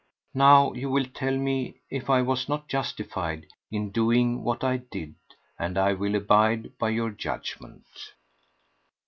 Now you will tell me if I was not justified in doing what I did, and I will abide by your judgment.